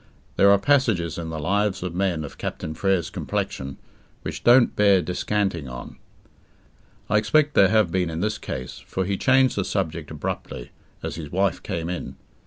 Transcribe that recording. There are passages in the lives of men of Captain Frere's complexion, which don't bear descanting on. I expect there have been in this case, for he changed the subject abruptly, as his wife came in.